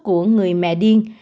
của người mẹ điên